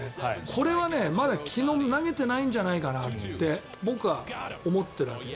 これはまだ昨日投げてないんじゃないかなと僕は思ってるわけ。